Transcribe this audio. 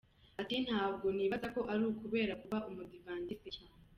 Ati:"…Ntabwo nibaza ko ari ukubera kuba umudiventiste cyane.